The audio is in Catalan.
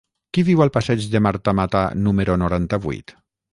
Qui viu al passeig de Marta Mata número noranta-vuit?